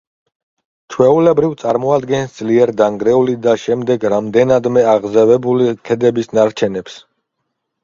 ჩვეულებრივ წარმოადგენს ძლიერ დანგრეული და შემდეგ რამდენადმე აზევებული ქედების ნარჩენებს.